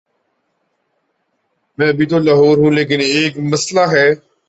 میں ابھی تو لاہور ہوں، لیکن ایک مسلہ ہے۔